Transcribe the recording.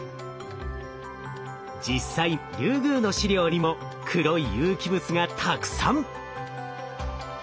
実際リュウグウの試料にも黒い有機物がたくさん！